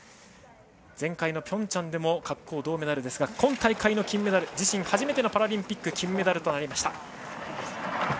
前回、ピョンチャンでも滑降、銅メダルですが今大会の金メダル自身初めてのパラリンピック金メダルとなりました。